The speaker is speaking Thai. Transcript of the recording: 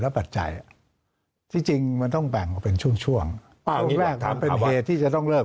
และปัจจัยที่จริงมันต้องแปลงเป็นช่วงเป็นเหตุที่จะต้องเลิก